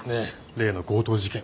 例の強盗事件。